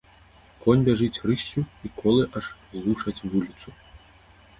Конь бяжыць рыссю, і колы аж глушаць вуліцу.